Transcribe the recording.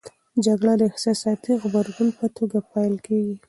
جګړه د احساساتي غبرګون په توګه پیل کېږي.